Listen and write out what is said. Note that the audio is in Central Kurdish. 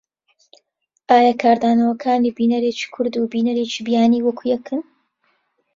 ئایا کاردانەوەکانی بینەرێکی کورد و بینەرێکی بیانی وەک یەکن؟